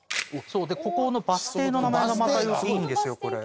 そうでここのバス停の名前がまたいいんですよこれ。